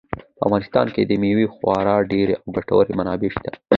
په افغانستان کې د مېوو خورا ډېرې او ګټورې منابع شته.